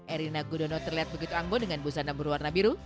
erina gudono terlihat begitu anggun dengan busana berwarna biru